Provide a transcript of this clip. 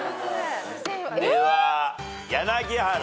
では柳原。